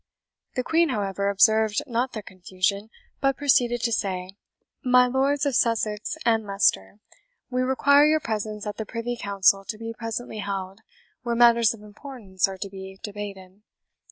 The Queen, however, observed not their confusion, but proceeded to say, "My Lords of Sussex and Leicester, we require your presence at the privy council to be presently held, where matters of importance are to be debated.